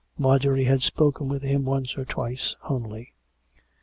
Marjorie had spoken with him once or twice only.